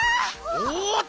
おっと！